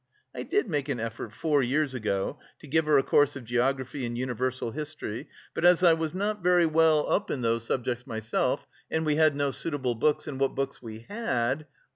I did make an effort four years ago to give her a course of geography and universal history, but as I was not very well up in those subjects myself and we had no suitable books, and what books we had...